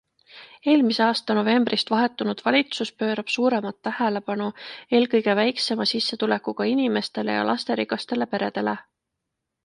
Eelmise aasta novembrist vahetunud valitsus pöörab suuremat tähelepanu eelkõige väiksema sissetulekuga inimestele ja lasterikastele peredele.